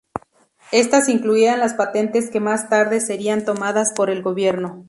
Estas incluían las patentes que más tarde serían tomadas por el Gobierno.